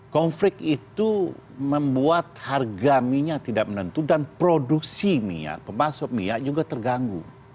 konflik itu membuat harga minyak tidak menentu dan produksi minyak pemasok minyak juga terganggu